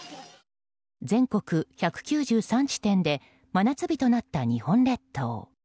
全国１９３地点で真夏日となった日本列島。